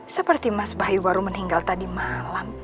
seperti mas bayu baru meninggal tadi malam